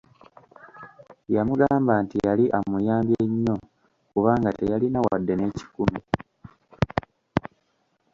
Yamugamba nti yali amuyambye nnyo kubanga teyalina wadde n'ekikumi.